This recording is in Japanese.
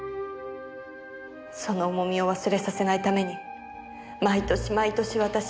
その重みを忘れさせないために毎年毎年私に。